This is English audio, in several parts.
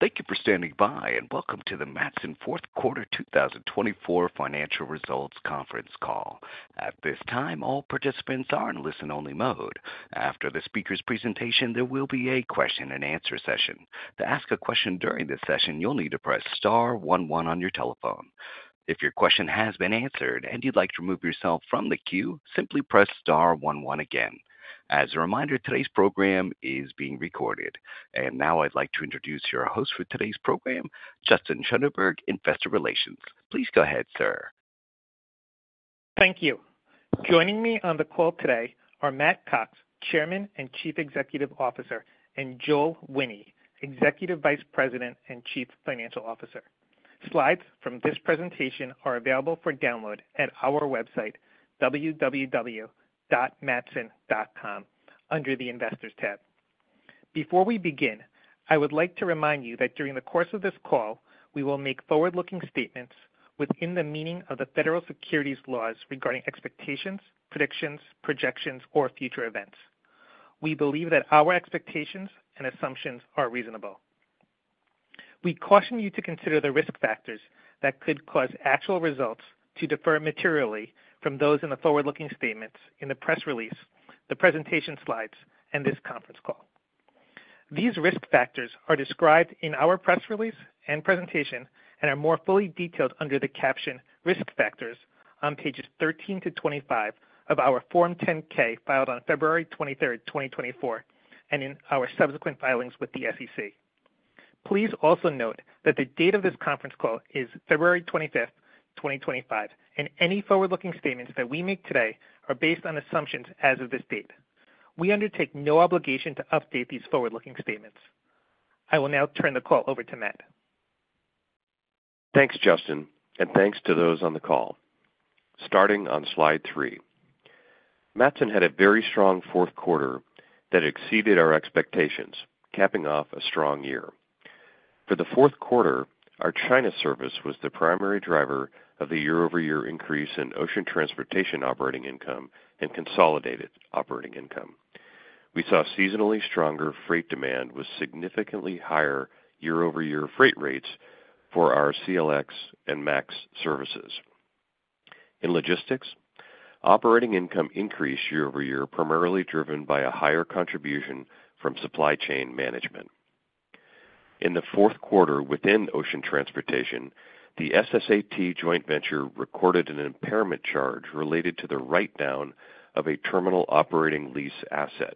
At this time, all participants are in listen-only mode. After the speaker's presentation, there will be a question-and-answer session. To ask a question during this session, you'll need to press star one one on your telephone. If your question has been answered and you'd like to remove yourself from the queue, simply press star one one again. As a reminder, today's program is being recorded. And now I'd like to introduce your host for today's program, Justin Schoenberg, Investor Relations. Please go ahead, sir. Thank you. Joining me on the call today are Matt Cox, Chairman and Chief Executive Officer, and Joel Wine, Executive Vice President and Chief Financial Officer. Slides from this presentation are available for download at our website, www.matson.com, under the Investors tab. Before we begin, I would like to remind you that during the course of this call, we will make forward-looking statements within the meaning of the federal securities laws regarding expectations, predictions, projections, or future events. We believe that our expectations and assumptions are reasonable. We caution you to consider the risk factors that could cause actual results to differ materially from those in the forward-looking statements in the press release, the presentation slides, and this conference call. These risk factors are described in our press release and presentation and are more fully detailed under the caption "Risk Factors" on pages 13-25 of our Form 10-K filed on February 23, 2024, and in our subsequent filings with the SEC. Please also note that the date of this conference call is February 25, 2025, and any forward-looking statements that we make today are based on assumptions as of this date. We undertake no obligation to update these forward-looking statements. I will now turn the call over to Matt. Thanks, Justin, and thanks to those on the call. Starting on slide three, Matson had a very strong fourth quarter that exceeded our expectations, capping off a strong year. For the fourth quarter, our China service was the primary driver of the year-over-year increase in ocean transportation operating income and consolidated operating income. We saw seasonally stronger freight demand with significantly higher year-over-year freight rates for our CLX and MAX services. In logistics, operating income increased year-over-year, primarily driven by a higher contribution from supply chain management. In the fourth quarter within ocean transportation, the SSAT joint venture recorded an impairment charge related to the write-down of a terminal operating lease asset.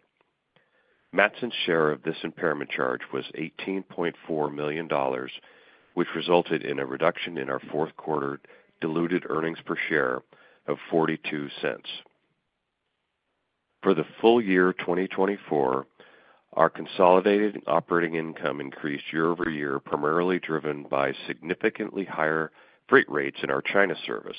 Matson's share of this impairment charge was $18.4 million, which resulted in a reduction in our fourth quarter diluted earnings per share of $0.42. For the full year 2024, our consolidated operating income increased year-over-year, primarily driven by significantly higher freight rates in our China service.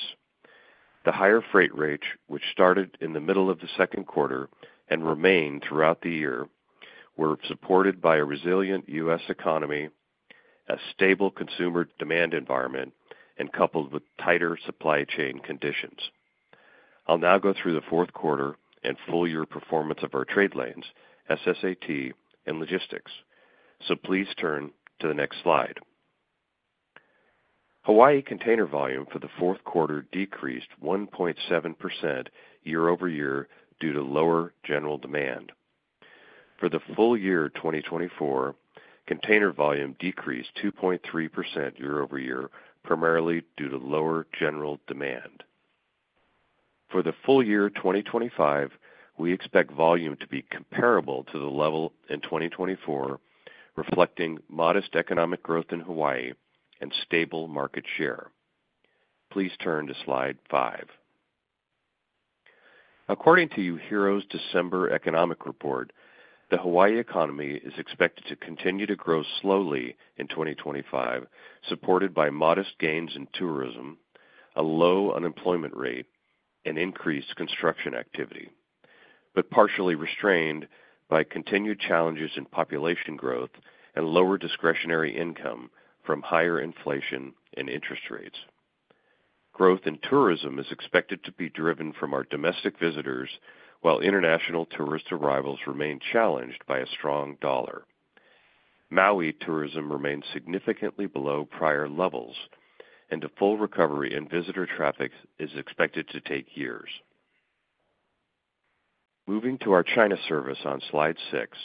The higher freight rates, which started in the middle of the second quarter and remained throughout the year, were supported by a resilient U.S. economy, a stable consumer demand environment, and coupled with tighter supply chain conditions. I'll now go through the fourth quarter and full-year performance of our trade lanes, SSAT, and logistics, so please turn to the next slide. Hawaii container volume for the fourth quarter decreased 1.7% year-over-year due to lower general demand. For the full year 2024, container volume decreased 2.3% year-over-year, primarily due to lower general demand. For the full year 2025, we expect volume to be comparable to the level in 2024, reflecting modest economic growth in Hawaii and stable market share. Please turn to slide five. According to UHERO's December economic report, the Hawaii economy is expected to continue to grow slowly in 2025, supported by modest gains in tourism, a low unemployment rate, and increased construction activity, but partially restrained by continued challenges in population growth and lower discretionary income from higher inflation and interest rates. Growth in tourism is expected to be driven from our domestic visitors, while international tourist arrivals remain challenged by a strong dollar. Maui tourism remains significantly below prior levels, and a full recovery in visitor traffic is expected to take years. Moving to our China service on slide six,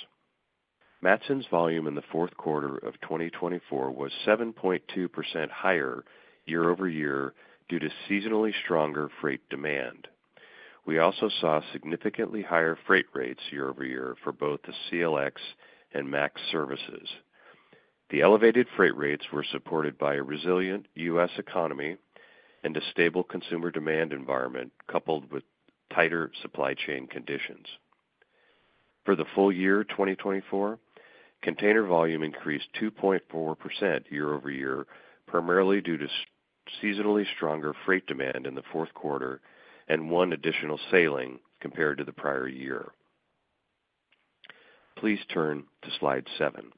Matson's volume in the fourth quarter of 2024 was 7.2% higher year-over-year due to seasonally stronger freight demand. We also saw significantly higher freight rates year-over-year for both the CLX and MAX services. The elevated freight rates were supported by a resilient U.S. economy and a stable consumer demand environment, coupled with tighter supply chain conditions. For the full year 2024, container volume increased 2.4% year-over-year, primarily due to seasonally stronger freight demand in the fourth quarter and one additional sailing compared to the prior year. Please turn to slide seven.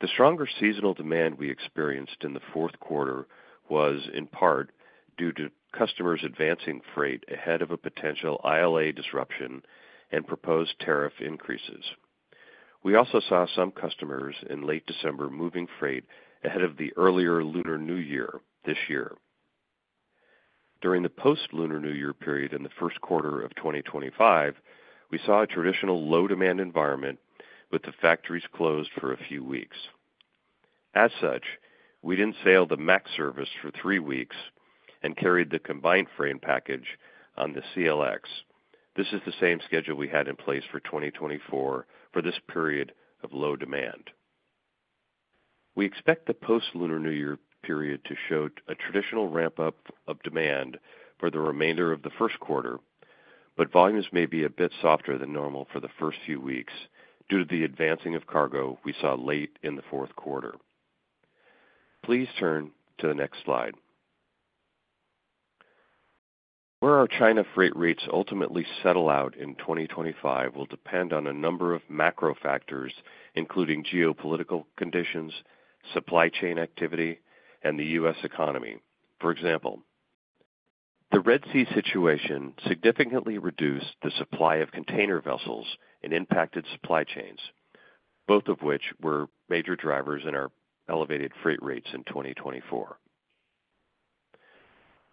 The stronger seasonal demand we experienced in the fourth quarter was, in part, due to customers advancing freight ahead of a potential ILA disruption and proposed tariff increases. We also saw some customers in late December moving freight ahead of the earlier Lunar New Year this year. During the post-Lunar New Year period in the first quarter of 2025, we saw a traditional low-demand environment with the factories closed for a few weeks. As such, we didn't sail the MAX service for three weeks and carried the combined freight package on the CLX. This is the same schedule we had in place for 2024 for this period of low demand. We expect the post-Lunar New Year period to show a traditional ramp-up of demand for the remainder of the first quarter, but volumes may be a bit softer than normal for the first few weeks due to the advancing of cargo we saw late in the fourth quarter. Please turn to the next slide. Where our China freight rates ultimately settle out in 2025 will depend on a number of macro factors, including geopolitical conditions, supply chain activity, and the U.S. economy. For example, the Red Sea situation significantly reduced the supply of container vessels and impacted supply chains, both of which were major drivers in our elevated freight rates in 2024.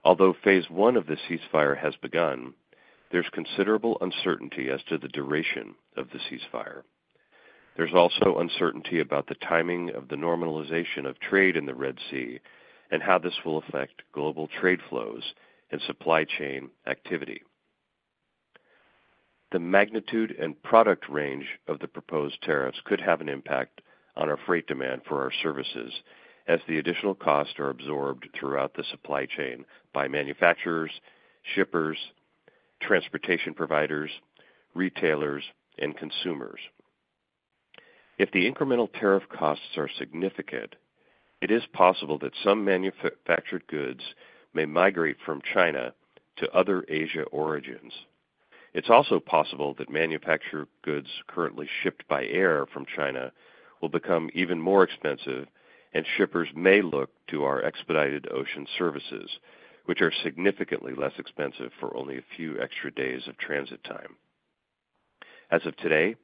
Although phase I of the ceasefire has begun, there's considerable uncertainty as to the duration of the ceasefire. There's also uncertainty about the timing of the normalization of trade in the Red Sea and how this will affect global trade flows and supply chain activity. The magnitude and product range of the proposed tariffs could have an impact on our freight demand for our services as the additional costs are absorbed throughout the supply chain by manufacturers, shippers, transportation providers, retailers, and consumers. If the incremental tariff costs are significant, it is possible that some manufactured goods may migrate from China to other Asia origins. It's also possible that manufactured goods currently shipped by air from China will become even more expensive, and shippers may look to our expedited ocean services, which are significantly less expensive for only a few extra days of transit time. As of today,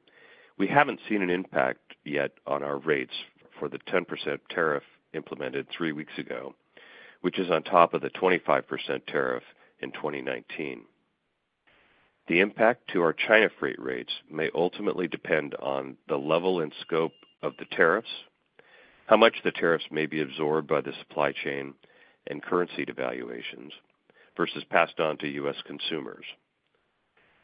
we haven't seen an impact yet on our rates for the 10% tariff implemented three weeks ago, which is on top of the 25% tariff in 2019. The impact to our China freight rates may ultimately depend on the level and scope of the tariffs, how much the tariffs may be absorbed by the supply chain and currency devaluations versus passed on to U.S. consumers,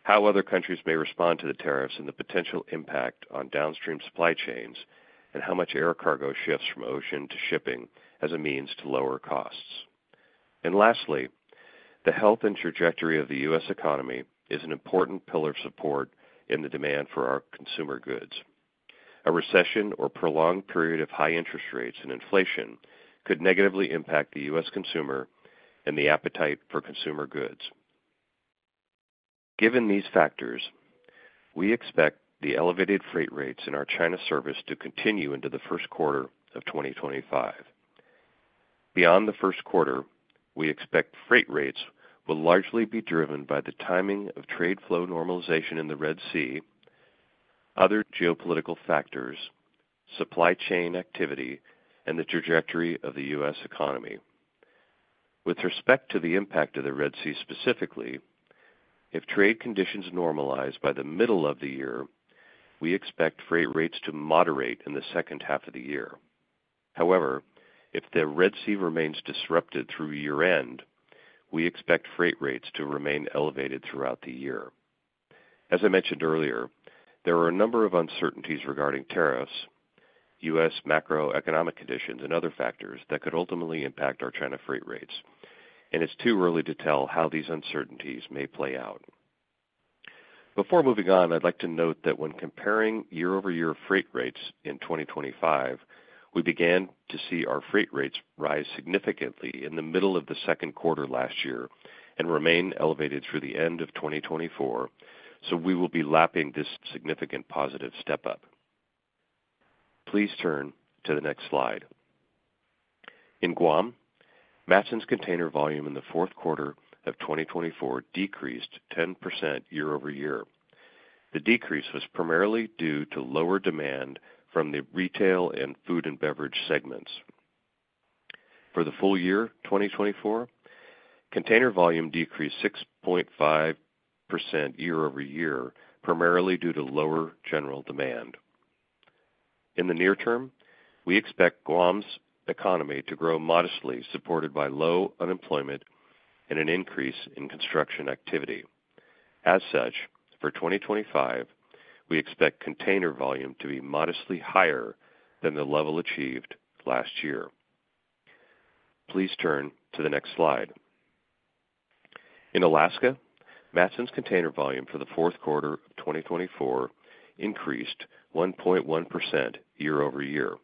how other countries may respond to the tariffs and the potential impact on downstream supply chains, and how much air cargo shifts from ocean to shipping as a means to lower costs, and lastly, the health and trajectory of the U.S. economy is an important pillar of support in the demand for our consumer goods. A recession or prolonged period of high interest rates and inflation could negatively impact the U.S. consumer and the appetite for consumer goods. Given these factors, we expect the elevated freight rates in our China service to continue into the first quarter of 2025. Beyond the first quarter, we expect freight rates will largely be driven by the timing of trade flow normalization in the Red Sea, other geopolitical factors, supply chain activity, and the trajectory of the U.S. economy. With respect to the impact of the Red Sea specifically, if trade conditions normalize by the middle of the year, we expect freight rates to moderate in the second half of the year. However, if the Red Sea remains disrupted through year-end, we expect freight rates to remain elevated throughout the year. As I mentioned earlier, there are a number of uncertainties regarding tariffs, U.S. macroeconomic conditions, and other factors that could ultimately impact our China freight rates, and it's too early to tell how these uncertainties may play out. Before moving on, I'd like to note that when comparing year-over-year freight rates in 2025, we began to see our freight rates rise significantly in the middle of the second quarter last year and remain elevated through the end of 2024, so we will be lapping this significant positive step up. Please turn to the next slide. In Guam, Matson's container volume in the fourth quarter of 2024 decreased 10% year-over-year. The decrease was primarily due to lower demand from the retail and food and beverage segments. For the full year 2024, container volume decreased 6.5% year-over-year, primarily due to lower general demand. In the near term, we expect Guam's economy to grow modestly, supported by low unemployment and an increase in construction activity. As such, for 2025, we expect container volume to be modestly higher than the level achieved last year. Please turn to the next slide. In Alaska, Matson's container volume for the fourth quarter of 2024 increased 1.1% year-over-year.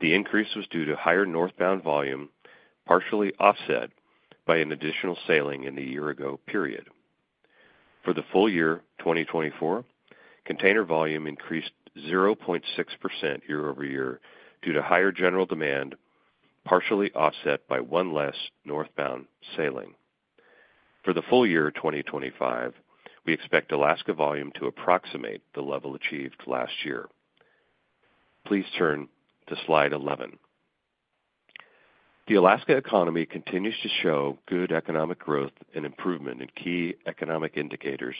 The increase was due to higher northbound volume, partially offset by an additional sailing in the year-ago period. For the full year 2024, container volume increased 0.6% year-over-year due to higher general demand, partially offset by one less northbound sailing. For the full year 2025, we expect Alaska volume to approximate the level achieved last year. Please turn to slide 11. The Alaska economy continues to show good economic growth and improvement in key economic indicators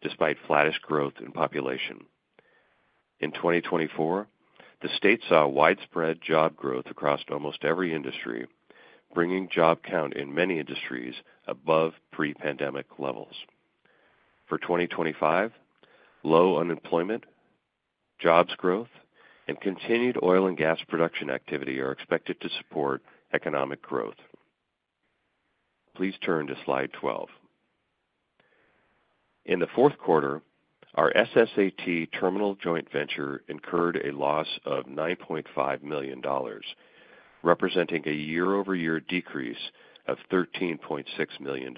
despite flattish growth in population. In 2024, the state saw widespread job growth across almost every industry, bringing job count in many industries above pre-pandemic levels. For 2025, low unemployment, jobs growth, and continued oil and gas production activity are expected to support economic growth. Please turn to slide 12. In the fourth quarter, our SSAT terminal joint venture incurred a loss of $9.5 million, representing a year-over-year decrease of $13.6 million.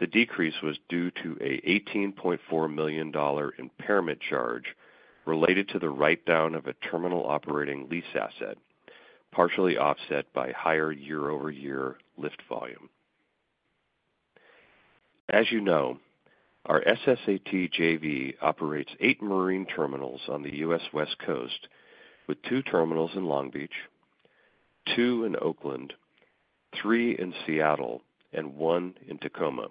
The decrease was due to an $18.4 million impairment charge related to the write-down of a terminal operating lease asset, partially offset by higher year-over-year lift volume. As you know, our SSAT JV operates eight marine terminals on the U.S. West Coast, with two terminals in Long Beach, two in Oakland, three in Seattle, and one in Tacoma.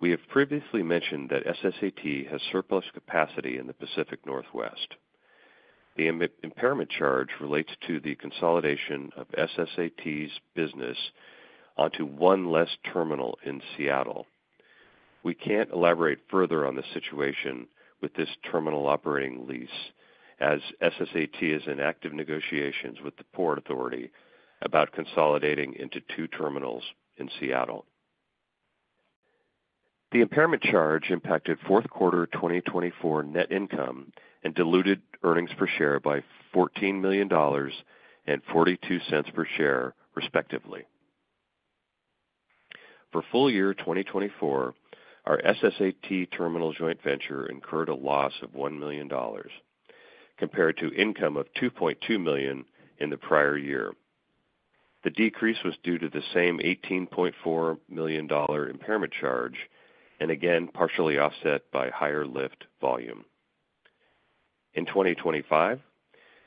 We have previously mentioned that SSAT has surplus capacity in the Pacific Northwest. The impairment charge relates to the consolidation of SSAT's business onto one less terminal in Seattle. We can't elaborate further on the situation with this terminal operating lease, as SSAT is in active negotiations with the port authority about consolidating into two terminals in Seattle. The impairment charge impacted fourth quarter 2024 net income and diluted earnings per share by $14 million and $0.42 per share, respectively. For full year 2024, our SSAT terminal joint venture incurred a loss of $1 million compared to income of $2.2 million in the prior year. The decrease was due to the same $18.4 million impairment charge and again partially offset by higher lift volume. In 2025,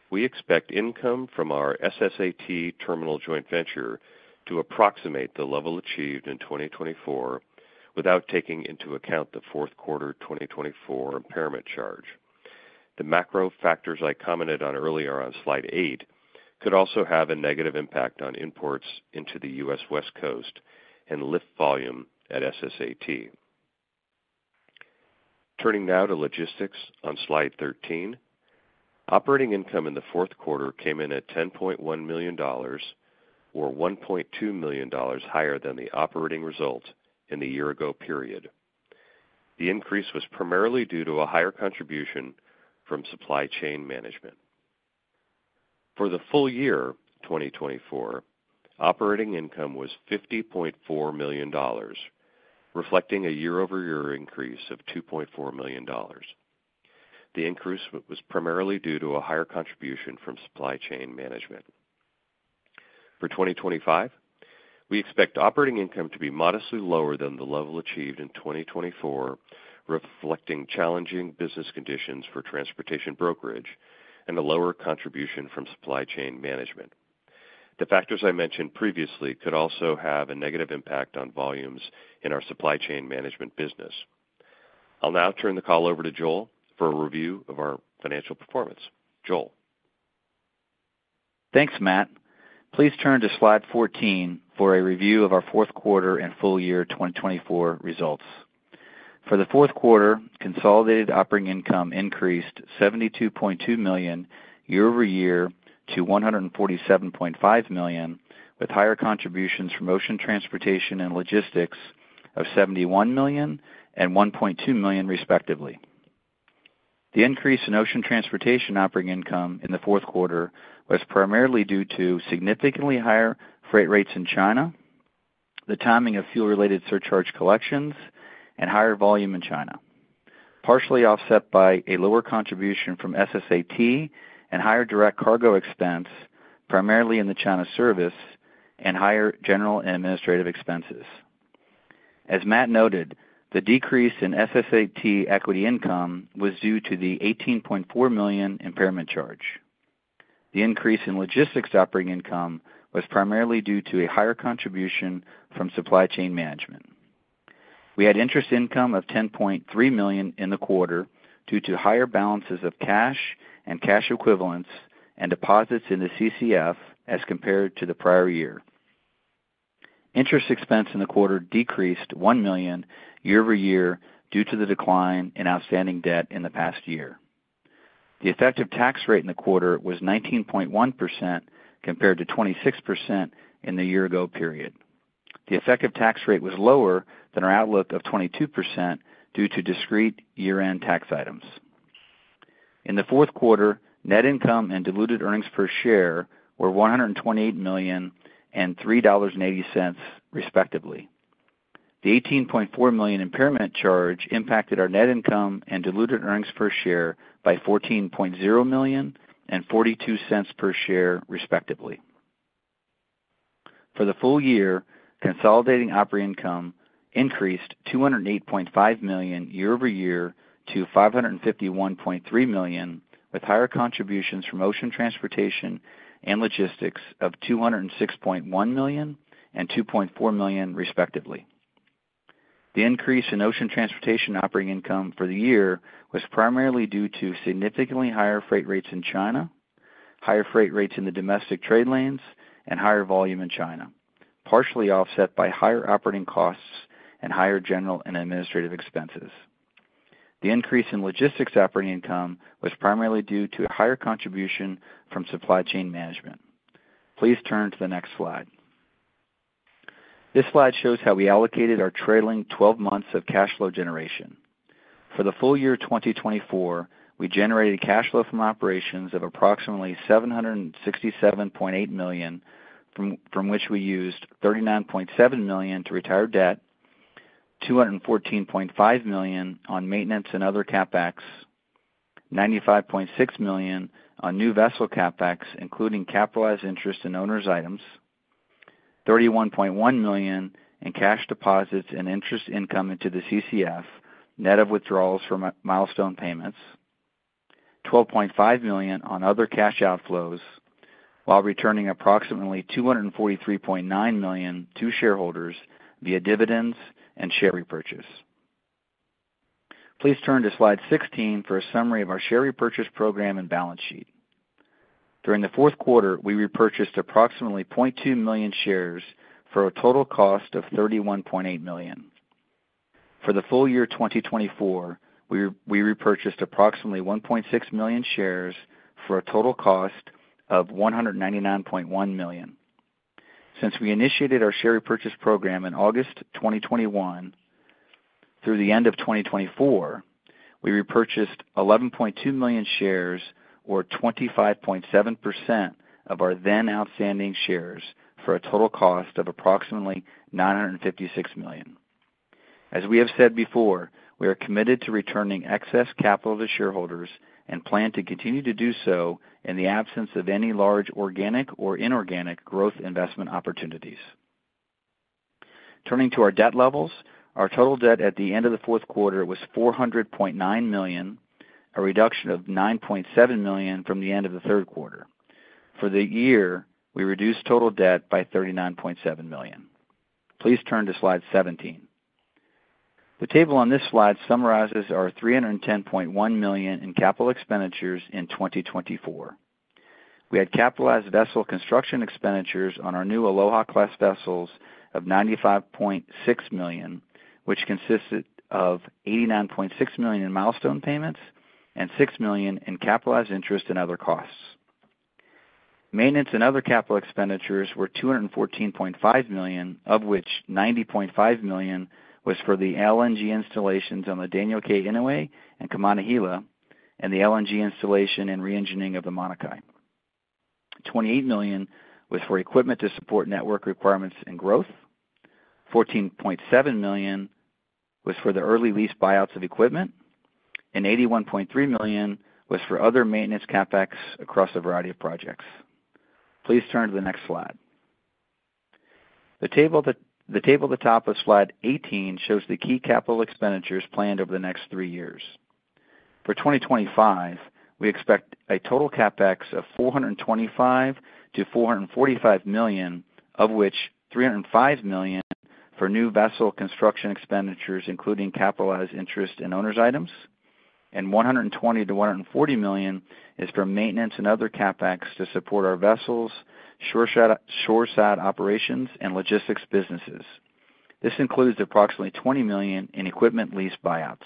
we expect income from our SSAT terminal joint venture to approximate the level achieved in 2024 without taking into account the fourth quarter 2024 impairment charge. The macro factors I commented on earlier on slide eight could also have a negative impact on imports into the U.S. West Coast and lift volume at SSAT. Turning now to logistics on slide 13, operating income in the fourth quarter came in at $10.1 million, or $1.2 million higher than the operating result in the year-ago period. The increase was primarily due to a higher contribution from supply chain management. For the full year 2024, operating income was $50.4 million, reflecting a year-over-year increase of $2.4 million. The increase was primarily due to a higher contribution from supply chain management. For 2025, we expect operating income to be modestly lower than the level achieved in 2024, reflecting challenging business conditions for transportation brokerage and a lower contribution from supply chain management. The factors I mentioned previously could also have a negative impact on volumes in our supply chain management business. I'll now turn the call over to Joel for a review of our financial performance. Joel. Thanks, Matt. Please turn to slide 14 for a review of our fourth quarter and full year 2024 results. For the fourth quarter, consolidated operating income increased $72.2 million year-over-year to $147.5 million, with higher contributions from ocean transportation and logistics of $71 million and $1.2 million, respectively. The increase in ocean transportation operating income in the fourth quarter was primarily due to significantly higher freight rates in China, the timing of fuel-related surcharge collections, and higher volume in China, partially offset by a lower contribution from SSAT and higher direct cargo expense, primarily in the China service and higher general and administrative expenses. As Matt noted, the decrease in SSAT equity income was due to the $18.4 million impairment charge. The increase in logistics operating income was primarily due to a higher contribution from supply chain management. We had interest income of $10.3 million in the quarter due to higher balances of cash and cash equivalents and deposits in the CCF as compared to the prior year. Interest expense in the quarter decreased $1 million year-over-year due to the decline in outstanding debt in the past year. The effective tax rate in the quarter was 19.1% compared to 26% in the year-ago period. The effective tax rate was lower than our outlook of 22% due to discrete year-end tax items. In the fourth quarter, net income and diluted earnings per share were $128 million and $3.80, respectively. The $18.4 million impairment charge impacted our net income and diluted earnings per share by $14.0 million and $0.42 per share, respectively. For the full year, consolidated operating income increased $208.5 million year-over-year to $551.3 million, with higher contributions from ocean transportation and logistics of $206.1 million and $2.4 million, respectively. The increase in ocean transportation operating income for the year was primarily due to significantly higher freight rates in China, higher freight rates in the domestic trade lanes, and higher volume in China, partially offset by higher operating costs and higher general and administrative expenses. The increase in logistics operating income was primarily due to a higher contribution from supply chain management. Please turn to the next slide. This slide shows how we allocated our trailing 12 months of cash flow generation. For the full year 2024, we generated cash flow from operations of approximately $767.8 million, from which we used $39.7 million to retire debt, $214.5 million on maintenance and other CapEx, $95.6 million on new vessel CapEx, including capitalized interest and owner's items, $31.1 million in cash deposits and interest income into the CCF, net of withdrawals from milestone payments, $12.5 million on other cash outflows, while returning approximately $243.9 million to shareholders via dividends and share repurchase. Please turn to slide 16 for a summary of our share repurchase program and balance sheet. During the fourth quarter, we repurchased approximately 0.2 million shares for a total cost of $31.8 million. For the full year 2024, we repurchased approximately 1.6 million shares for a total cost of $199.1 million. Since we initiated our share repurchase program in August 2021, through the end of 2024, we repurchased 11.2 million shares, or 25.7% of our then-outstanding shares, for a total cost of approximately $956 million. As we have said before, we are committed to returning excess capital to shareholders and plan to continue to do so in the absence of any large organic or inorganic growth investment opportunities. Turning to our debt levels, our total debt at the end of the fourth quarter was $400.9 million, a reduction of $9.7 million from the end of the third quarter. For the year, we reduced total debt by $39.7 million. Please turn to slide 17. The table on this slide summarizes our $310.1 million in capital expenditures in 2024. We had capitalized vessel construction expenditures on our new Aloha Class vessels of $95.6 million, which consisted of $89.6 million in milestone payments and $6 million in capitalized interest and other costs. Maintenance and other capital expenditures were $214.5 million, of which $90.5 million was for the LNG installations on the Daniel K. Inouye and Kaimana Hila, and the LNG installation and re-engineering of the Manukai. $28 million was for equipment to support network requirements and growth. $14.7 million was for the early lease buyouts of equipment, and $81.3 million was for other maintenance CapEx across a variety of projects. Please turn to the next slide. The table at the top of slide 18 shows the key capital expenditures planned over the next three years. For 2025, we expect a total CapEx of $425 million-$445 million, of which $305 million for new vessel construction expenditures, including capitalized interest and owner's items, and $120 million-$140 million is for maintenance and other CapEx to support our vessels, shore-side operations, and logistics businesses. This includes approximately $20 million in equipment lease buyouts.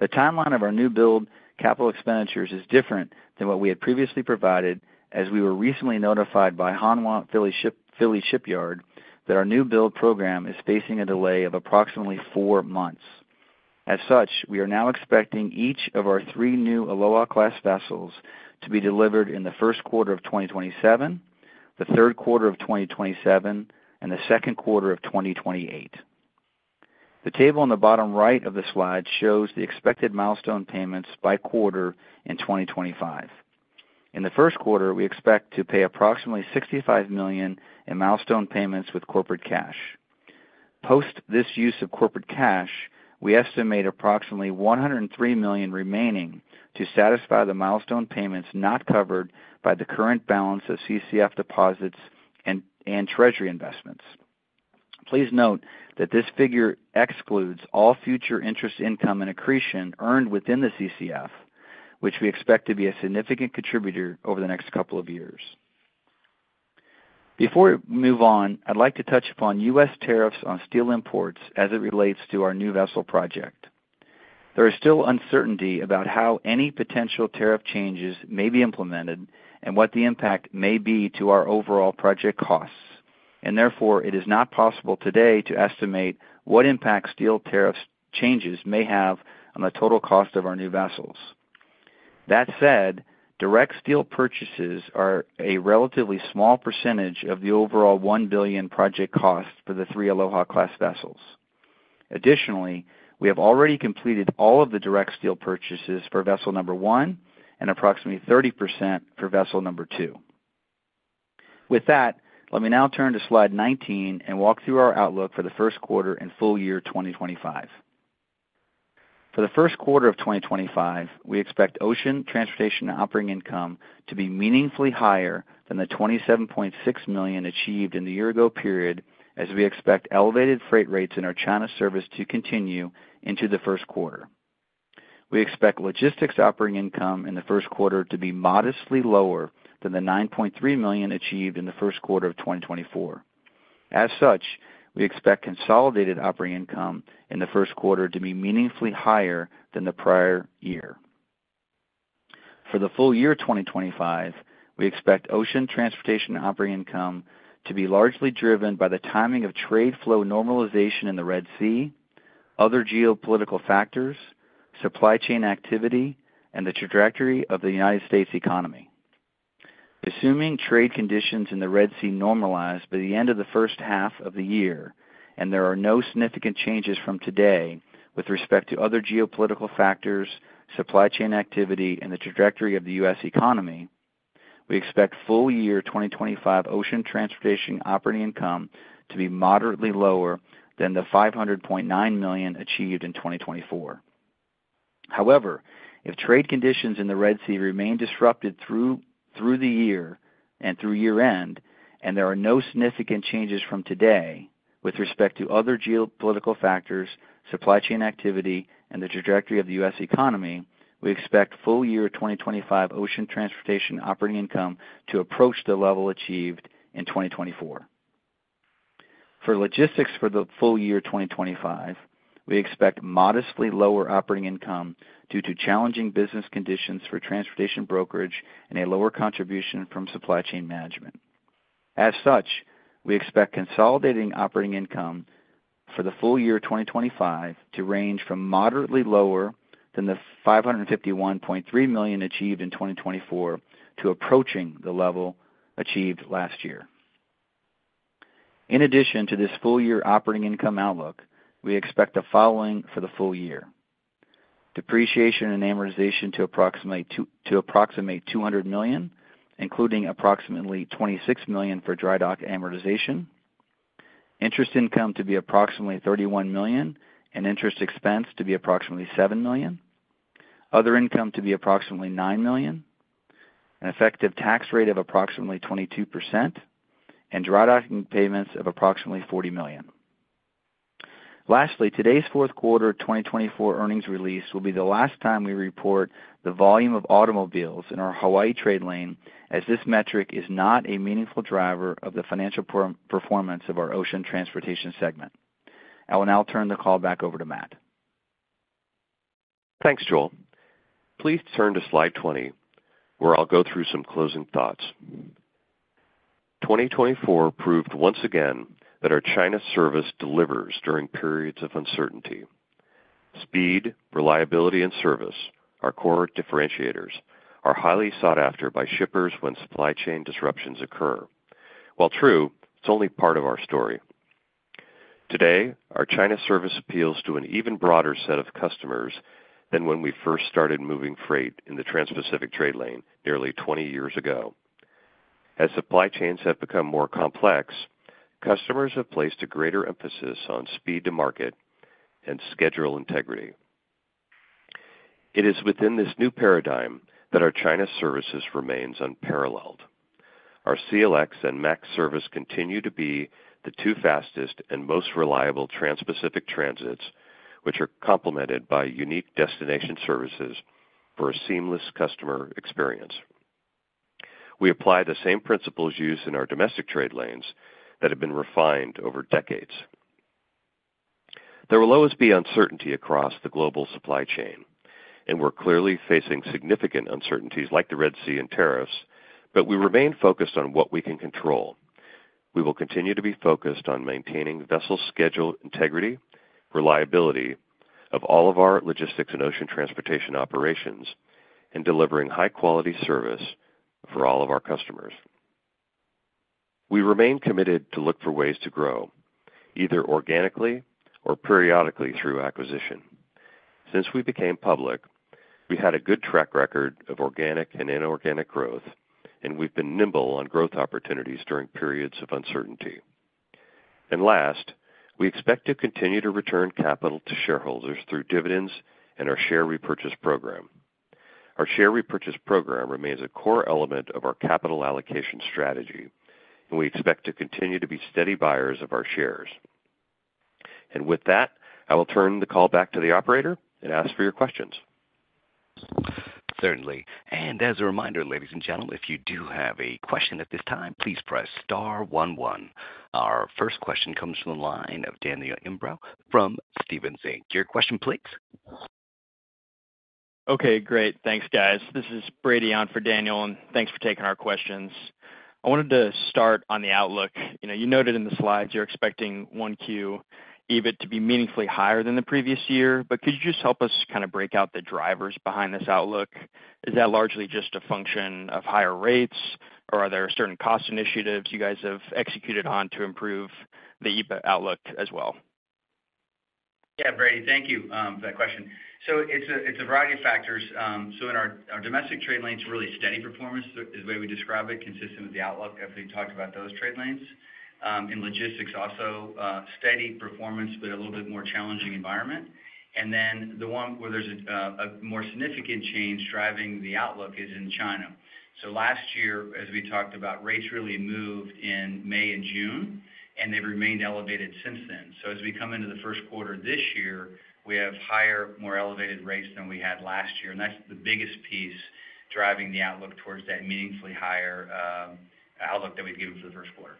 The timeline of our new build capital expenditures is different than what we had previously provided, as we were recently notified by Hanwha Philly Shipyard that our new build program is facing a delay of approximately four months. As such, we are now expecting each of our three new Aloha Class vessels to be delivered in the first quarter of 2027, the third quarter of 2027, and the second quarter of 2028. The table on the bottom right of the slide shows the expected milestone payments by quarter in 2025. In the first quarter, we expect to pay approximately $65 million in milestone payments with corporate cash. Post this use of corporate cash, we estimate approximately $103 million remaining to satisfy the milestone payments not covered by the current balance of CCF deposits and treasury investments. Please note that this figure excludes all future interest income and accretion earned within the CCF, which we expect to be a significant contributor over the next couple of years. Before we move on, I'd like to touch upon U.S. tariffs on steel imports as it relates to our new vessel project. There is still uncertainty about how any potential tariff changes may be implemented and what the impact may be to our overall project costs, and therefore it is not possible today to estimate what impact steel tariff changes may have on the total cost of our new vessels. That said, direct steel purchases are a relatively small percentage of the overall $1 billion project cost for the three Aloha Class vessels. Additionally, we have already completed all of the direct steel purchases for vessel number one and approximately 30% for vessel number two. With that, let me now turn to slide 19 and walk through our outlook for the first quarter and full year 2025. For the first quarter of 2025, we expect ocean transportation operating income to be meaningfully higher than the $27.6 million achieved in the year-ago period, as we expect elevated freight rates in our China service to continue into the first quarter. We expect logistics operating income in the first quarter to be modestly lower than the $9.3 million achieved in the first quarter of 2024. As such, we expect consolidated operating income in the first quarter to be meaningfully higher than the prior year. For the full year 2025, we expect ocean transportation operating income to be largely driven by the timing of trade flow normalization in the Red Sea, other geopolitical factors, supply chain activity, and the trajectory of the United States economy. Assuming trade conditions in the Red Sea normalize by the end of the first half of the year and there are no significant changes from today with respect to other geopolitical factors, supply chain activity, and the trajectory of the U.S. economy, we expect full year 2025 ocean transportation operating income to be moderately lower than the $500.9 million achieved in 2024. However, if trade conditions in the Red Sea remain disrupted through the year and through year-end, and there are no significant changes from today with respect to other geopolitical factors, supply chain activity, and the trajectory of the U.S. economy, we expect full year 2025 ocean transportation operating income to approach the level achieved in 2024. For logistics for the full year 2025, we expect modestly lower operating income due to challenging business conditions for transportation brokerage and a lower contribution from supply chain management. As such, we expect consolidated operating income for the full year 2025 to range from moderately lower than the $551.3 million achieved in 2024 to approaching the level achieved last year. In addition to this full year operating income outlook, we expect the following for the full year: depreciation and amortization to approximate $200 million, including approximately $26 million for dry dock amortization, interest income to be approximately $31 million, and interest expense to be approximately $7 million, other income to be approximately $9 million, an effective tax rate of approximately 22%, and dry docking payments of approximately $40 million. Lastly, today's fourth quarter 2024 earnings release will be the last time we report the volume of automobiles in our Hawaii trade lane, as this metric is not a meaningful driver of the financial performance of our ocean transportation segment. I will now turn the call back over to Matt. Thanks, Joel. Please turn to slide 20, where I'll go through some closing thoughts. 2024 proved once again that our China service delivers during periods of uncertainty. Speed, reliability, and service are core differentiators, are highly sought after by shippers when supply chain disruptions occur. While true, it's only part of our story. Today, our China service appeals to an even broader set of customers than when we first started moving freight in the Trans-Pacific trade lane nearly 20 years ago. As supply chains have become more complex, customers have placed a greater emphasis on speed to market and schedule integrity. It is within this new paradigm that our China service remains unparalleled. Our CLX and MAX service continue to be the two fastest and most reliable Trans-Pacific transits, which are complemented by unique destination services for a seamless customer experience. We apply the same principles used in our domestic trade lanes that have been refined over decades. There will always be uncertainty across the global supply chain, and we're clearly facing significant uncertainties like the Red Sea and tariffs, but we remain focused on what we can control. We will continue to be focused on maintaining vessel schedule integrity, reliability of all of our logistics and ocean transportation operations, and delivering high-quality service for all of our customers. We remain committed to look for ways to grow, either organically or periodically through acquisition. Since we became public, we had a good track record of organic and inorganic growth, and we've been nimble on growth opportunities during periods of uncertainty. And last, we expect to continue to return capital to shareholders through dividends and our share repurchase program. Our share repurchase program remains a core element of our capital allocation strategy, and we expect to continue to be steady buyers of our shares. And with that, I will turn the call back to the operator and ask for your questions. Certainly. And as a reminder, ladies and gentlemen, if you do have a question at this time, please press star one one. Our first question comes from the line of Daniel Imbro from Stephens Inc. Your question, please. Okay, great. Thanks, guys. This is Brady on for Daniel, and thanks for taking our questions. I wanted to start on the outlook. You noted in the slides you're expecting 1Q EBIT to be meaningfully higher than the previous year, but could you just help us kind of break out the drivers behind this outlook? Is that largely just a function of higher rates, or are there certain cost initiatives you guys have executed on to improve the EBIT outlook as well? Yeah, Brady, thank you for that question. So it's a variety of factors. So in our domestic trade lanes, really steady performance is the way we describe it, consistent with the outlook after we talked about those trade lanes. In logistics, also steady performance, but a little bit more challenging environment. And then the one where there's a more significant change driving the outlook is in China. Last year, as we talked about, rates really moved in May and June, and they've remained elevated since then. As we come into the first quarter of this year, we have higher, more elevated rates than we had last year, and that's the biggest piece driving the outlook towards that meaningfully higher outlook that we've given for the first quarter.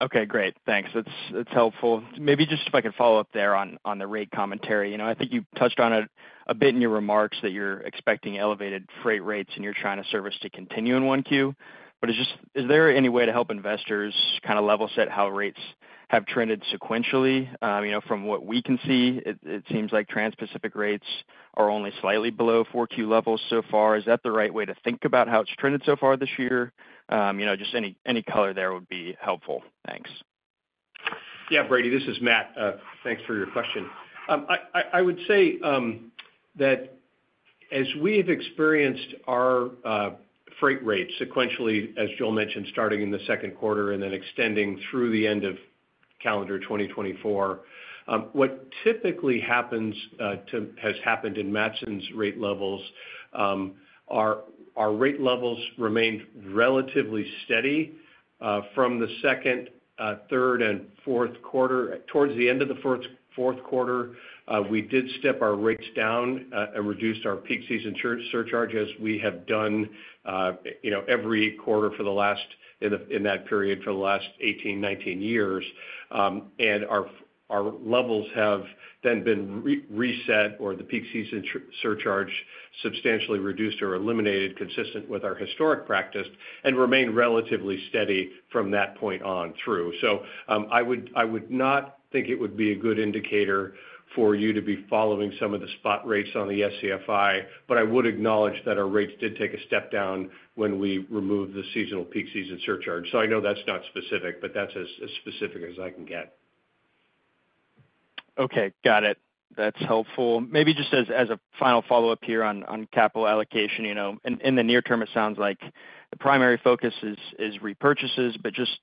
Okay, great. Thanks. That's helpful. Maybe just if I could follow up there on the rate commentary. I think you touched on it a bit in your remarks that you're expecting elevated freight rates and your China service to continue in 1Q. But is there any way to help investors kind of level set how rates have trended sequentially? From what we can see, it seems like Trans-Pacific rates are only slightly below 4Q levels so far. Is that the right way to think about how it's trended so far this year? Just any color there would be helpful. Thanks. Yeah, Brady, this is Matt. Thanks for your question. I would say that as we've experienced our freight rates sequentially, as Joel mentioned, starting in the second quarter and then extending through the end of calendar 2024, what typically happens has happened. Matson's rate levels, our rate levels, remained relatively steady from the second, third, and fourth quarter. Towards the end of the fourth quarter, we did step our rates down and reduce our peak season surcharge as we have done every quarter for the last 18-19 years. Our levels have then been reset or the peak season surcharge substantially reduced or eliminated, consistent with our historic practice, and remain relatively steady from that point on through. So I would not think it would be a good indicator for you to be following some of the spot rates on the SCFI, but I would acknowledge that our rates did take a step down when we removed the seasonal peak season surcharge. So I know that's not specific, but that's as specific as I can get. Okay, got it. That's helpful. Maybe just as a final follow-up here on capital allocation, in the near term, it sounds like the primary focus is repurchases, but just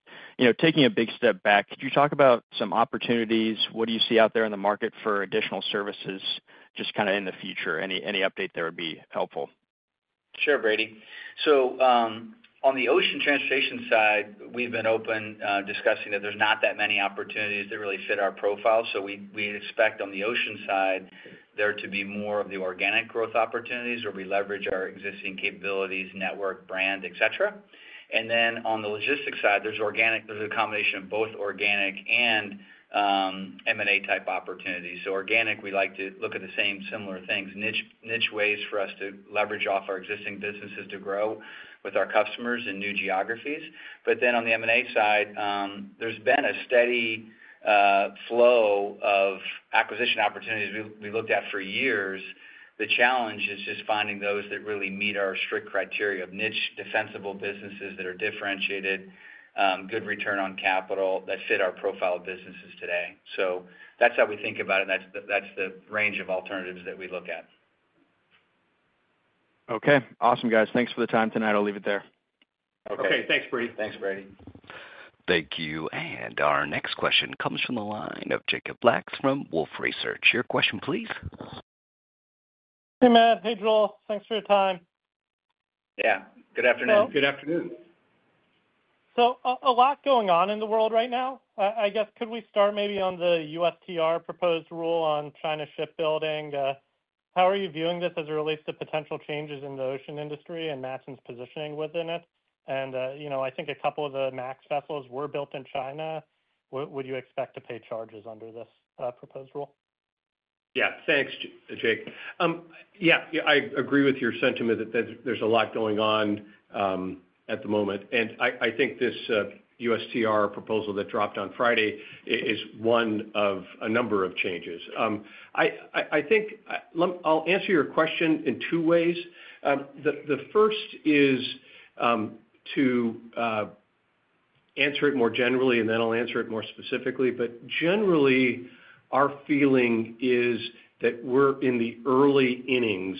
taking a big step back, could you talk about some opportunities? What do you see out there in the market for additional services just kind of in the future? Any update there would be helpful. Sure, Brady. So on the ocean transportation side, we've been open discussing that there's not that many opportunities that really fit our profile. So we expect on the ocean side there to be more of the organic growth opportunities where we leverage our existing capabilities, network, brand, etc. And then on the logistics side, there's a combination of both organic and M&A type opportunities. So organic, we like to look at the same similar things, niche ways for us to leverage off our existing businesses to grow with our customers in new geographies. But then on the M&A side, there's been a steady flow of acquisition opportunities we looked at for years. The challenge is just finding those that really meet our strict criteria of niche, defensible businesses that are differentiated, good return on capital that fit our profile of businesses today. So that's how we think about it. That's the range of alternatives that we look at. Okay. Awesome, guys. Thanks for the time tonight. I'll leave it there. Okay. Thanks, Brady. Thanks, Brady. Thank you. And our next question comes from the line of Jacob Lacks from Wolfe Research. Your question, please. Hey, Matt. Hey, Joel. Thanks for your time. Yeah. Good afternoon. Good afternoon. So a lot going on in the world right now. I guess could we start maybe on the USTR proposed rule on China shipbuilding? How are you viewing this as it relates to potential changes in the ocean industry and Matson's positioning within it? And I think a couple of the Matson vessels were built in China. Would you expect to pay charges under this proposed rule? Yeah. Thanks, Jake. Yeah, I agree with your sentiment that there's a lot going on at the moment. And I think this USTR proposal that dropped on Friday is one of a number of changes. I think I'll answer your question in two ways. The first is to answer it more generally, and then I'll answer it more specifically. But generally, our feeling is that we're in the early innings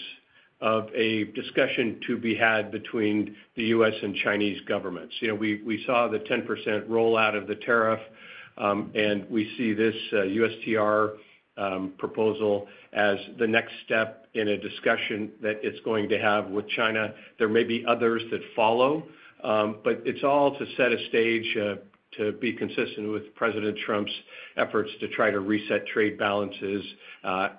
of a discussion to be had between the U.S. and Chinese governments. We saw the 10% rollout of the tariff, and we see this USTR proposal as the next step in a discussion that it's going to have with China. There may be others that follow, but it's all to set a stage to be consistent with President Trump's efforts to try to reset trade balances.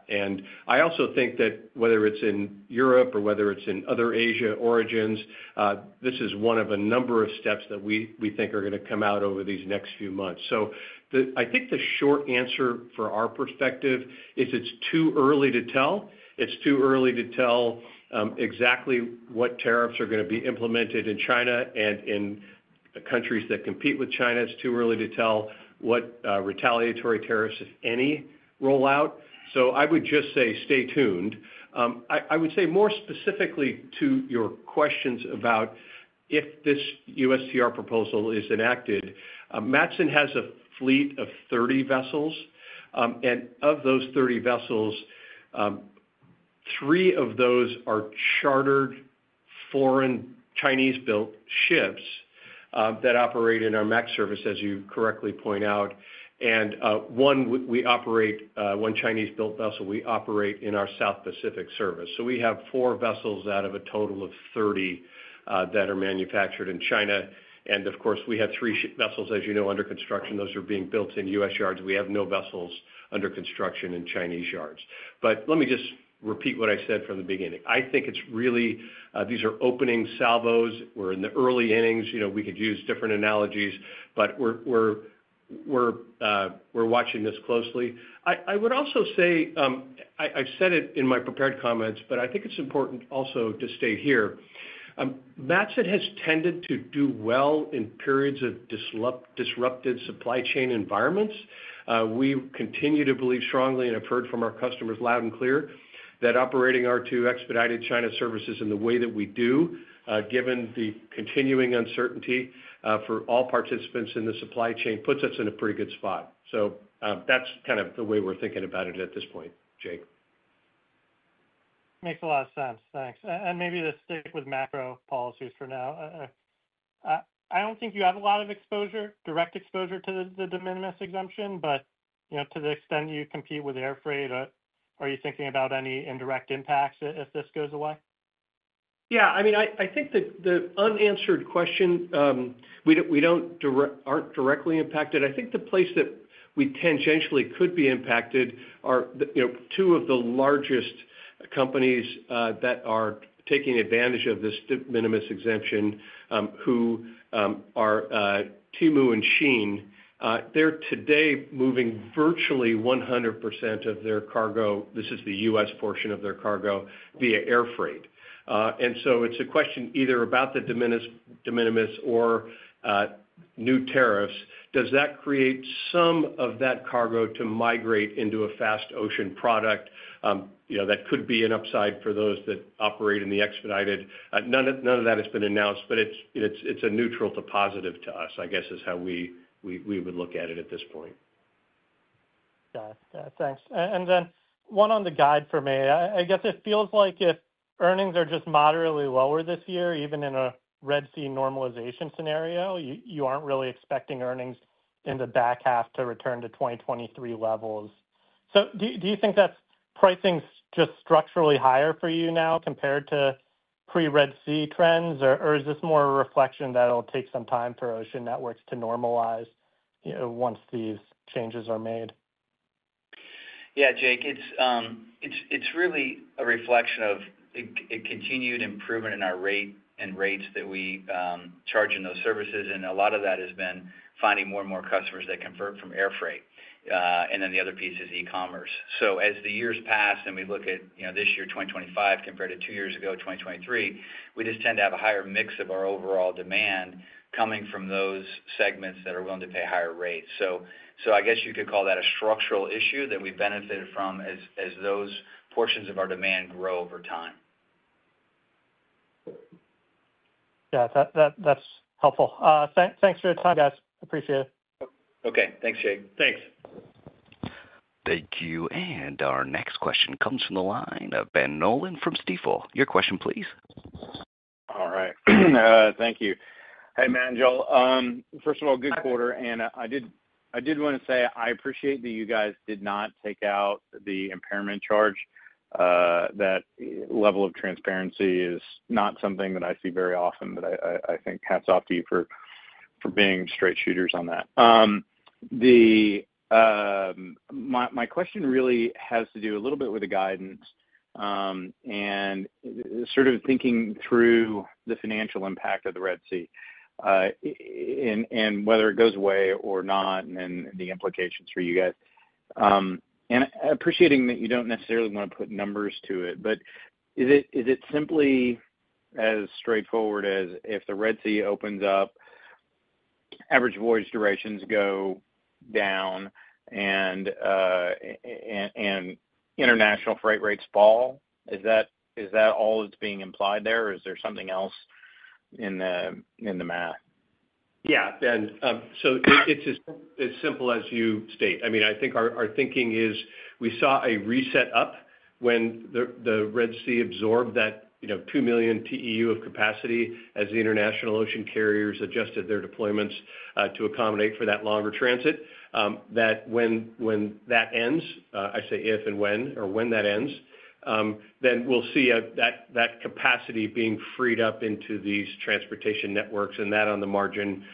And I also think that whether it's in Europe or whether it's in other Asia origins, this is one of a number of steps that we think are going to come out over these next few months. So I think the short answer from our perspective is it's too early to tell. It's too early to tell exactly what tariffs are going to be implemented in China and in countries that compete with China. It's too early to tell what retaliatory tariffs, if any, roll out. So I would just say stay tuned. I would say more specifically to your questions about if this USTR proposal is enacted, Matson has a fleet of 30 vessels. And of those 30 vessels, three of those are chartered foreign Chinese-built ships that operate in our MAX service, as you correctly point out. And one Chinese-built vessel we operate in our South Pacific service. So we have four vessels out of a total of 30 that are manufactured in China. And of course, we have three vessels, as you know, under construction. Those are being built in U.S. yards. We have no vessels under construction in Chinese yards. But let me just repeat what I said from the beginning. I think it's really these are opening salvos. We're in the early innings. We could use different analogies, but we're watching this closely. I would also say I've said it in my prepared comments, but I think it's important also to state here, Matson has tended to do well in periods of disrupted supply chain environments. We continue to believe strongly and have heard from our customers loud and clear that operating our two expedited China services in the way that we do, given the continuing uncertainty for all participants in the supply chain, puts us in a pretty good spot. So that's kind of the way we're thinking about it at this point, Jake. Makes a lot of sense. Thanks. And maybe to stick with macro policies for now, I don't think you have a lot of exposure, direct exposure to the de minimis exemption, but to the extent you compete with air freight, are you thinking about any indirect impacts if this goes away? Yeah. I mean, I think the unanswered question, we aren't directly impacted. I think the place that we tangentially could be impacted are two of the largest companies that are taking advantage of this de minimis exemption, who are Temu and Shein. They're today moving virtually 100% of their cargo, this is the U.S. portion of their cargo, via air freight. And so it's a question either about the de minimis or new tariffs. Does that create some of that cargo to migrate into a fast ocean product that could be an upside for those that operate in the expedited? None of that has been announced, but it's a neutral to positive to us, I guess, is how we would look at it at this point. Thanks. And then one on the guide for me. I guess it feels like if earnings are just moderately lower this year, even in a Red Sea normalization scenario, you aren't really expecting earnings in the back half to return to 2023 levels. So do you think that's pricing just structurally higher for you now compared to pre-Red Sea trends, or is this more a reflection that it'll take some time for Ocean Networks to normalize once these changes are made? Yeah, Jake. It's really a reflection of a continued improvement in our rate and rates that we charge in those services. And a lot of that has been finding more and more customers that convert from air freight. And then the other piece is e-commerce. So as the years pass and we look at this year, 2025, compared to two years ago, 2023, we just tend to have a higher mix of our overall demand coming from those segments that are willing to pay higher rates. So I guess you could call that a structural issue that we've benefited from as those portions of our demand grow over time. Yeah, that's helpful. Thanks for your time, guys. Appreciate it. Okay. Thanks, Jake. Thanks. Thank you. And our next question comes from the line of Ben Nolan from Stifel. Your question, please. All right. Thank you. Hey, Matt and Joel. First of all, good quarter. And I did want to say I appreciate that you guys did not take out the impairment charge. That level of transparency is not something that I see very often, but I think hats off to you for being straight shooters on that. My question really has to do a little bit with the guidance and sort of thinking through the financial impact of the Red Sea and whether it goes away or not and the implications for you guys. And appreciating that you don't necessarily want to put numbers to it, but is it simply as straightforward as if the Red Sea opens up, average voyage durations go down, and international freight rates fall? Is that all that's being implied there, or is there something else in the math? Yeah. So it's as simple as you state. I mean, I think our thinking is we saw a reset up when the Red Sea absorbed that two million TEU of capacity as the international ocean carriers adjusted their deployments to accommodate for that longer transit. That, when that ends, I say if and when or when that ends, then we'll see that capacity being freed up into these transportation networks, and that on the margin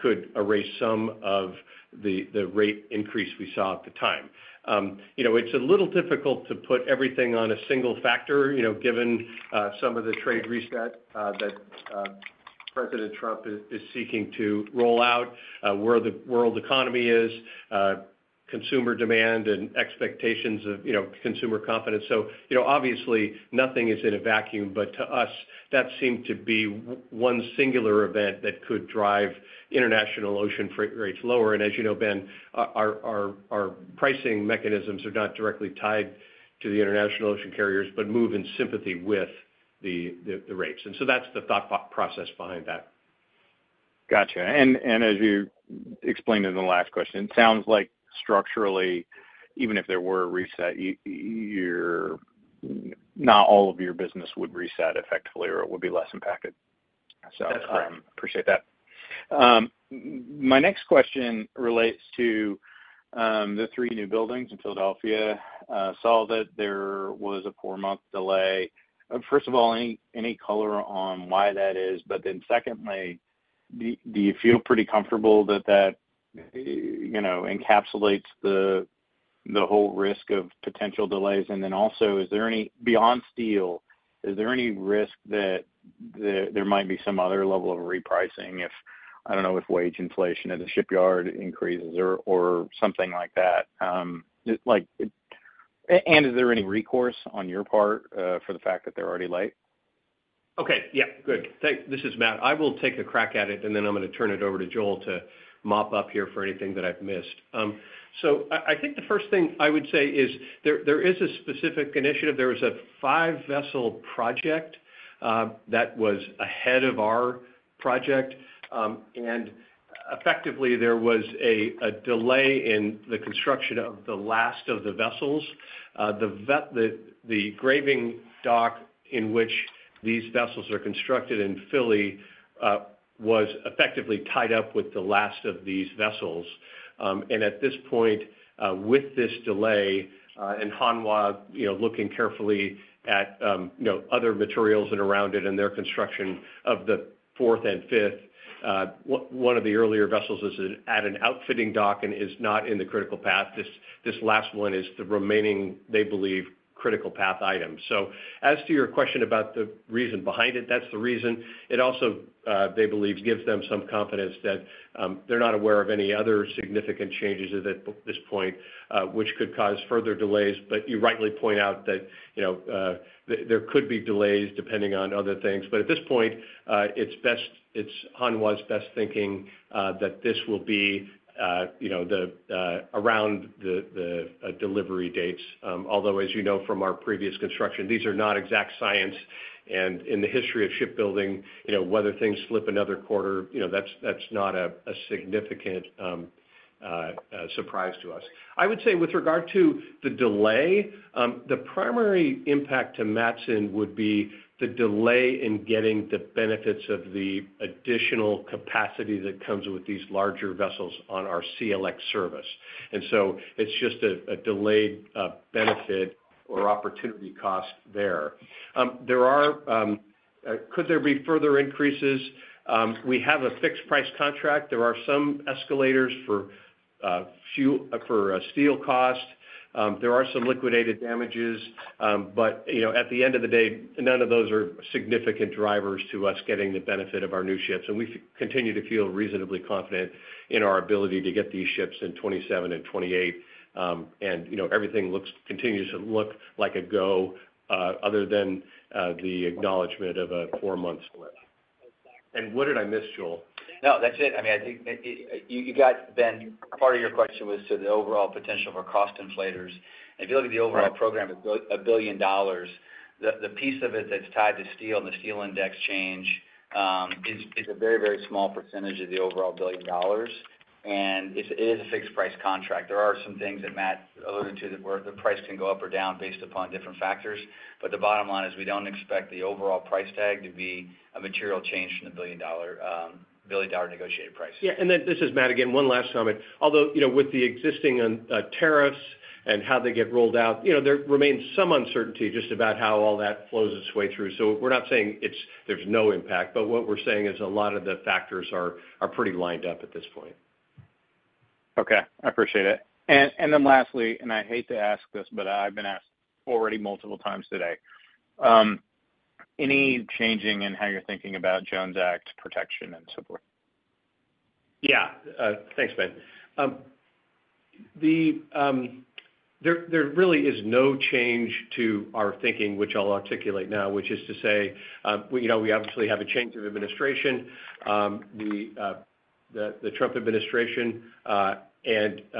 could erase some of the rate increase we saw at the time. It's a little difficult to put everything on a single factor given some of the trade reset that President Trump is seeking to roll out, where the world economy is, consumer demand, and expectations of consumer confidence. So obviously, nothing is in a vacuum, but to us, that seemed to be one singular event that could drive international ocean freight rates lower. As you know, Ben, our pricing mechanisms are not directly tied to the international ocean carriers, but move in sympathy with the rates. So that's the thought process behind that. Gotcha. As you explained in the last question, it sounds like structurally, even if there were a reset, not all of your business would reset effectively or it would be less impacted. I appreciate that. My next question relates to the three new builds in Philadelphia. I saw that there was a four-month delay. First of all, any color on why that is? Then secondly, do you feel pretty comfortable that that encapsulates the whole risk of potential delays? Then also, beyond steel, is there any risk that there might be some other level of repricing? I don't know if wage inflation at the shipyard increases or something like that. Is there any recourse on your part for the fact that they're already late? Okay. Yeah. Good. This is Matt. I will take a crack at it, and then I'm going to turn it over to Joel to mop up here for anything that I've missed. So I think the first thing I would say is there is a specific initiative. There was a five-vessel project that was ahead of our project. And effectively, there was a delay in the construction of the last of the vessels. The graving dock in which these vessels are constructed in Philly was effectively tied up with the last of these vessels. At this point, with this delay and Hanwha looking carefully at other materials that are around it and their construction of the fourth and fifth, one of the earlier vessels is at an outfitting dock and is not in the critical path. This last one is the remaining, they believe, critical path item. So as to your question about the reason behind it, that's the reason. It also, they believe, gives them some confidence that they're not aware of any other significant changes at this point, which could cause further delays. But you rightly point out that there could be delays depending on other things. But at this point, it's Hanwha's best thinking that this will be around the delivery dates. Although, as you know from our previous construction, these are not exact science. In the history of shipbuilding, whether things slip another quarter, that's not a significant surprise to us. I would say with regard to the delay, the primary impact to Matson would be the delay in getting the benefits of the additional capacity that comes with these larger vessels on our CLX service. So it's just a delayed benefit or opportunity cost there. Could there be further increases? We have a fixed price contract. There are some escalators for steel cost. There are some liquidated damages. But at the end of the day, none of those are significant drivers to us getting the benefit of our new ships. We continue to feel reasonably confident in our ability to get these ships in 2027 and 2028. Everything continues to look like a go other than the acknowledgment of a four-month split. What did I miss, Joel? No, that's it. I mean, I think you got Ben, part of your question was to the overall potential for cost inflators. And if you look at the overall program of $1 billion, the piece of it that's tied to steel and the steel index change is a very, very small percentage of the overall $1 billion. And it is a fixed price contract. There are some things that Matt alluded to that the price can go up or down based upon different factors. But the bottom line is we don't expect the overall price tag to be a material change from the $1 billion negotiated price. Yeah, and then this is Matt again, one last comment. Although with the existing tariffs and how they get rolled out, there remains some uncertainty just about how all that flows its way through. So we're not saying there's no impact, but what we're saying is a lot of the factors are pretty lined up at this point. Okay. I appreciate it. And then lastly, and I hate to ask this, but I've been asked already multiple times today, any change in how you're thinking about Jones Act protection and so forth? Yeah. Thanks, Ben. There really is no change to our thinking, which I'll articulate now, which is to say we obviously have a change of administration. The Trump administration, and it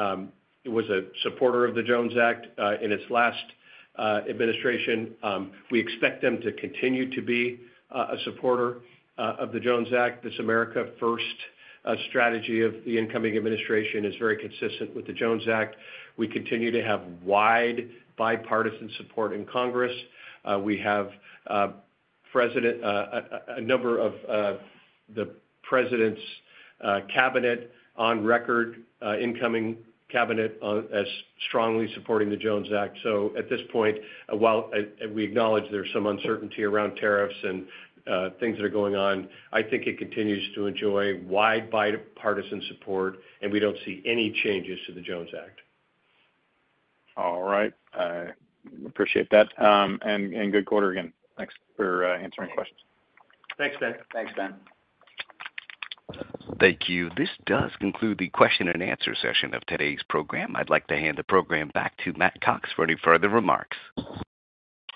was a supporter of the Jones Act in its last administration. We expect them to continue to be a supporter of the Jones Act. This America First strategy of the incoming administration is very consistent with the Jones Act. We continue to have wide bipartisan support in Congress. We have a number of the president's cabinet on record, incoming cabinet, as strongly supporting the Jones Act. So at this point, while we acknowledge there's some uncertainty around tariffs and things that are going on, I think it continues to enjoy wide bipartisan support, and we don't see any changes to the Jones Act. All right. I appreciate that and good quarter again. Thanks for answering questions. Thanks, Ben. Thanks, Ben. Thank you. This does conclude the question and answer session of today's program. I'd like to hand the program back to Matt Cox for any further remarks.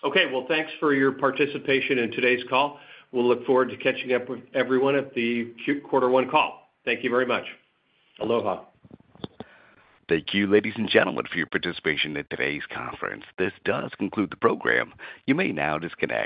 Okay, well, thanks for your participation in today's call. We'll look forward to catching up with everyone at the quarter one call. Thank you very much. Aloha. Thank you, ladies and gentlemen, for your participation in today's conference. This does conclude the program. You may now disconnect.